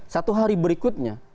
satu hari berikutnya